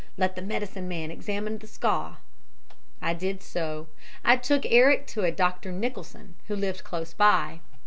Let the medicine man examine the scar.' "I did so. I took Eric to a Dr. Nicholson, who lived close by.